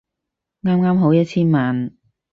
啱啱好一千萬